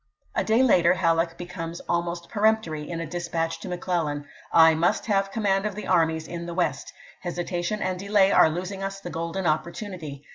A day later Halleck becomes almost peremptory in a dispatch to Mc Clellan : "I must have command of the armies in the West. Hesitation and delay are losing us the golden opportunity.